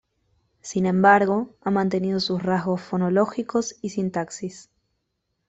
Sin embargo ha mantenido sus rasgos fonológicos y sintaxis.